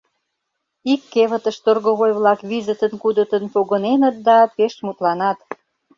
Ик кевытыш торговой-влак визытын-кудытын погыненыт да пеш мутланат.